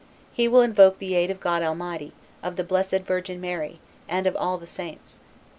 He will invoke the aid of God Almighty, of the blessed virgin Mary, and of all the saints.